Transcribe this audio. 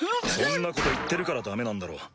そんなこと言ってるからだめなんだろ。